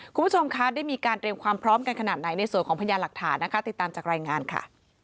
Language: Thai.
คุณผู้ชมคะได้มีการเตรียมความพร้อมกันขนาดไหนในส่วนของพยานหลักฐานนะคะติดตามจากรายงานค่ะ